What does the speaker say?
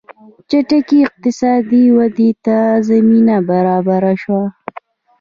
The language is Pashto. چټکې اقتصادي ودې ته زمینه برابره شوه.